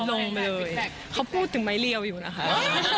ลงเลยแต่เขาพูดถึงไม้เรียวอยู่นะคะ